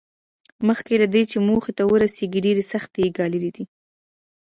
مخکې له دې چې موخې ته ورسېږي ډېرې سختۍ یې ګاللې دي